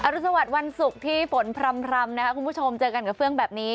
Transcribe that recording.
รุสวัสดิ์วันศุกร์ที่ฝนพร่ำนะคะคุณผู้ชมเจอกันกับเฟื่องแบบนี้